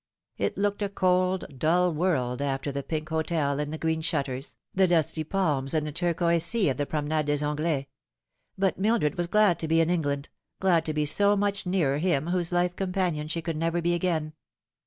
It looked a cold, dull world after the pink hotel and the green shutters, the dusty palms and the turquoise sea of the Promenade des Anglais ; but Mildred was glad to be in England, glad to be so much nearer him whose life companion she could never be again.